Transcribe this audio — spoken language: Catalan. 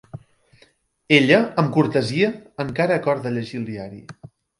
Ella amb cortesia encara acorda llegir el diari.